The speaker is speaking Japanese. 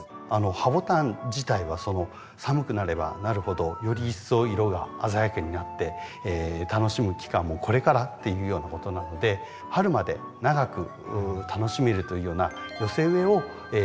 ハボタン自体は寒くなればなるほどより一層色が鮮やかになって楽しむ期間もこれからっていうようなことなので春まで長く楽しめるというような寄せ植えをおすすめしたいと思います。